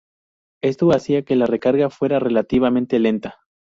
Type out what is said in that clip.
Esto hacía que la recarga fuera relativamente lenta.